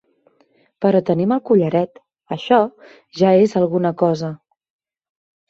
Però tenim el collaret, això ja és alguna cosa.